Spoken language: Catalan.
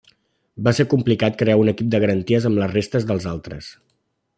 Va ser complicat crear un equip de garanties amb les restes dels altres.